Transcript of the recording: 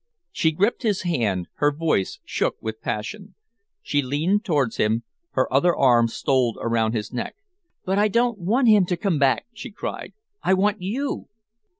She gripped his hand, her voice shook with passion. She leaned towards him, her other arm stole around his neck. "But I don't want him to come back!" she cried. "I want you!"